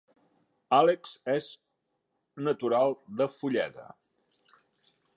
Àlex és natural de Fulleda